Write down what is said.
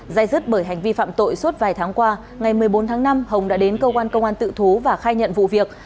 dây dứt bởi hành vi phạm tội suốt vài tháng qua ngày một mươi bốn tháng năm hồng đã đến cơ quan công an tự thú và khai nhận vụ việc